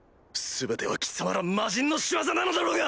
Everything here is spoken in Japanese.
全ては貴様ら魔人の仕業なのだろうが！